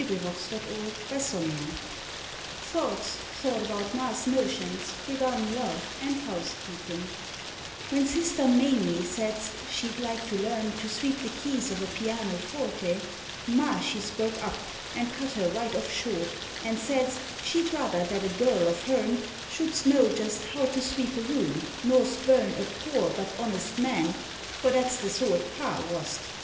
22 SONNETS OF A BUDDING BARD THOUGHTS THOUGHT ABOUT MA S NOTIONS REGARDIN LOVE AND HOUSE KEEPIN WHEN sister Maymie saidst she d like to learn To sweep the keys of a piano forte, Ma she spoke up and cut her right off short And saidst she d rather that a girl of her n Shouldst know just how to sweep a room, nor spurn A poor but honest man, for that s the sort 2 3 SONNETS OF A BUDDING BARD Pa wast.